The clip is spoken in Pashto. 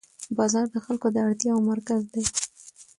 بازار د خلکو د اړتیاوو مرکز دی